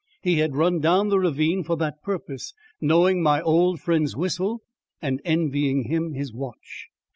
He had run down the ravine for that purpose, knowing my old friend's whistle and envying him his watch.